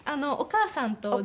お母さんと。